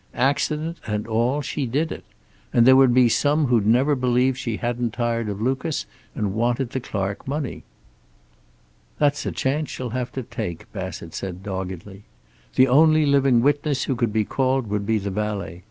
Accident and all, she did it. And there would be some who'd never believe she hadn't tired of Lucas, and wanted the Clark money." "That's a chance she'll have to take," Bassett said doggedly. "The only living witness who could be called would be the valet.